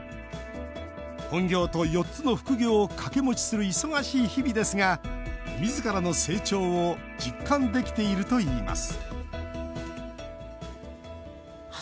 本業と４つの副業を掛け持ちする忙しい日々ですがみずからの成長を実感できているといいます